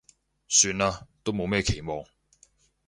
算啦，都冇咩期望